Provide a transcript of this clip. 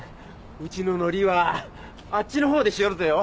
うちののりはあっちのほうでしよるぜよ。